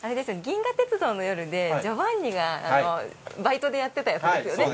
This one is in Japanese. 『銀河鉄道の夜』でジョバンニがバイトでやってたやつですよね。